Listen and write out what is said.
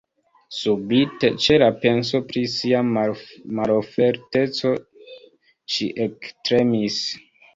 Subite, ĉe la penso pri sia malforteco, ŝi ektremis.